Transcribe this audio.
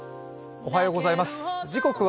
おはようございます。